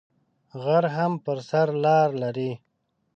غر هم پر سر لار لری